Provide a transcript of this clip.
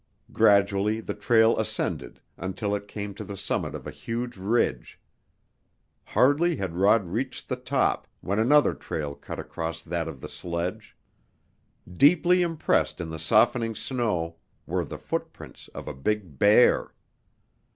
Gradually the trail ascended until it came to the summit of a huge ridge. Hardly had Rod reached the top when another trail cut across that of the sledge. Deeply impressed in the softening snow were the footprints of a big bear!